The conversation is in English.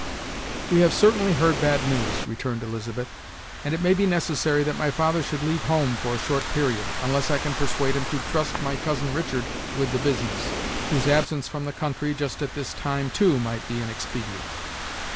"We have certainly heard bad news," returned Elizabeth, "and it may be necessary that my father should leave home for a short period; unless I can persuade him to trust my cousin Richard with the business, whose absence from the country, just at this time, too, might be inexpedient."